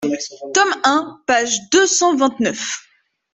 Tome un, page deux cent vingt-neuf.